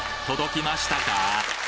届きましたか？